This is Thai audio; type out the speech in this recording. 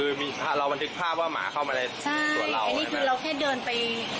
คือมีเราบันทึกภาพว่าหมาเข้ามาเลยสวนเราใช่อันนี้คือเราแค่เดินไปตรงกลางสวนเราเองนะคะ